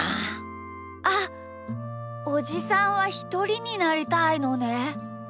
あっおじさんはひとりになりたいのね。